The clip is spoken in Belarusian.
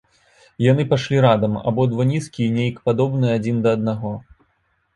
І яны пайшлі радам, абодва нізкія і нейк падобныя адзін да аднаго.